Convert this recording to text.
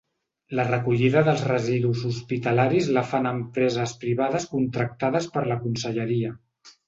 La recollida dels residus hospitalaris la fan empreses privades contractades per la conselleria.